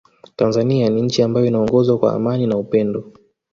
Tanzania ni nchi ambayo inaongozwa kwa amani na upendo